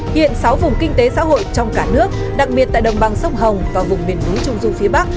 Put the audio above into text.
hiện sáu vùng kinh tế xã hội trong cả nước đặc biệt tại đồng bằng sông hồng và vùng miền núi trung du phía bắc